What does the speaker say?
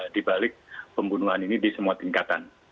dibalik pembunuhan ini di semua tingkatan